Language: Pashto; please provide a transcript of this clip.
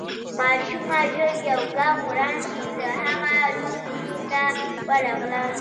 ماشومه ژر يو ګام وړاندې د هغه لوري ته ورغله.